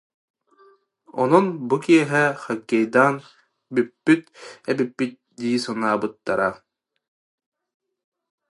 Онон бу киэһэ хоккейдаан бүппүт эбиппит дии санаабыттара